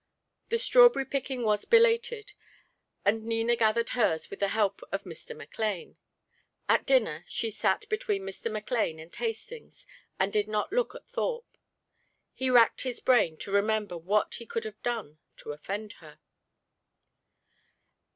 The strawberry picking was belated, and Nina gathered hers with the help of Mr. McLane. At dinner she sat between Mr. McLane and Hastings, and did not look at Thorpe. He racked his brain to remember what he could have done to offend her.